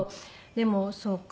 でもそうか。